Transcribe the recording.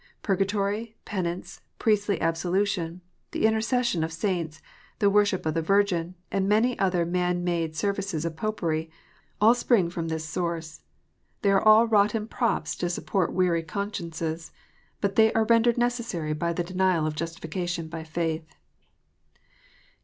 Purgatory, penance, priestly absolution, the intercession of saints, the worship of the Virgin, and many other man made services of Popery, all spring from this source. They are all rotten props to support Aveary consciences. But they are rendered necessary by the denial of justification by faith.